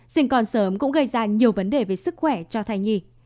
sinh còn sớm cũng gây ra nhiều vấn đề về sức khỏe cho thai nhị